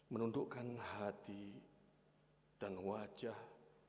menundukkan hati dan wajah